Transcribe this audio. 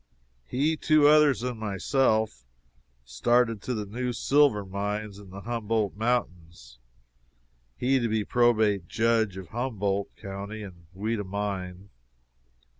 He, two others, and myself, started to the new silver mines in the Humboldt mountains he to be Probate Judge of Humboldt county, and we to mine.